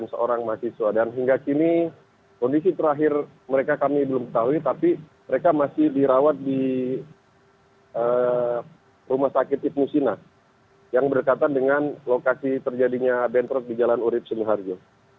seorang mahasiswa dan hingga kini kondisi terakhir mereka kami belum ketahui tapi mereka masih dirawat di rumah sakit ibnu sina yang berdekatan dengan lokasi terjadinya bentrok di jalan urib sumuharjo